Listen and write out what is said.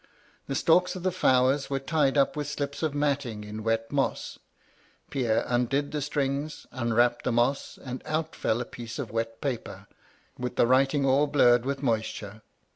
The stalks of the flowers were tied up with slips of matting in wet moss. Pierre undid the strings, unwrapped the moss, and out fell a piece of wet paper, with the writing all blurred with moisture.